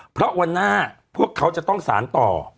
เพราะวันหน้าพวกเขาจะต้องสารต่อ